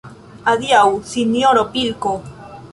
Adiaŭ, sinjoro pilko!